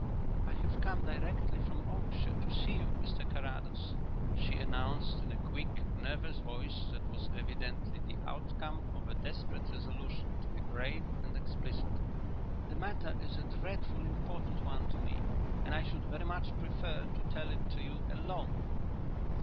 "I have come direct from Oakshire to see you, Mr Carrados," she announced, in a quick, nervous voice that was evidently the outcome of a desperate resolution to be brave and explicit. "The matter is a dreadfully important one to me and I should very much prefer to tell it to you alone."